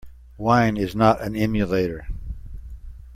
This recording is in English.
Wine is not an emulator.